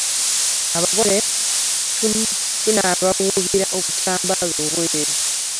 Abagole tunaabawuubira obutambaala obweru.